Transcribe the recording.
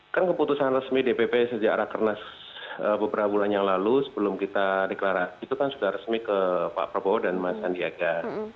kan keputusan resmi dpp sejak rakernas beberapa bulan yang lalu sebelum kita deklarasi itu kan sudah resmi ke pak prabowo dan mas sandiaga